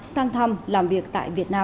sang thăm làm việc tại việt nam